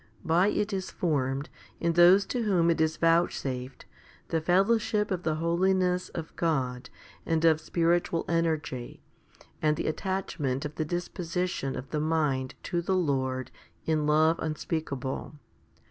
By it is formed, in those to whom it is vouchsafed, the fellowship of the holiness of God and of spiritual energy, and the attachment of the disposition of the mind to the Lord in love unspeakable.